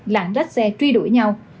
lặng rách xe truy đuổi nhau